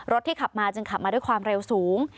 ที่ขับมาจึงขับมาด้วยความเร็วสูง